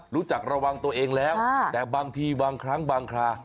รู้จักระวังตัวเองแล้วแต่บางทีบางครั้งบางครา